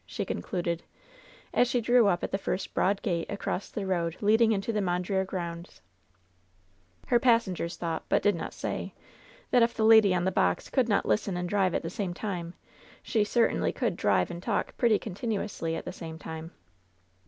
she concluded, as she drew up at the first broad gate across the road leading into the Mondreer grounds. LOVE'S BITTEREST CUP 139 Her passengers thought, but did not say, that if the lady on the box could not listen and drive at the same time, she could certainly drive and talk pretty continu ously at the same time.